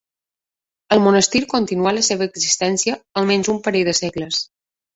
El monestir continuà la seva existència almenys un parell de segles.